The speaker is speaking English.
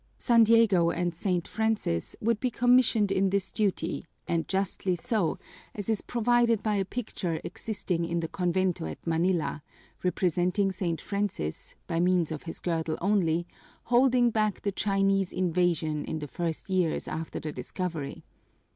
San Diego and St. Francis would be commissioned in this duty and justly so, as is proved by a picture existing in the convento at Manila, representing St. Francis, by means of his girdle only, holding back the Chinese invasion in the first years after the discovery.